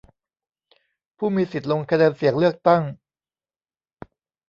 ผู้มีสิทธิ์ลงคะแนนเสียงเลือกตั้ง